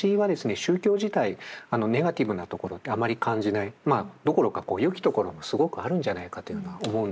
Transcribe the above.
宗教自体ネガティブなところをあまり感じないどころかよきところがすごくあるんじゃないかというのは思うんです。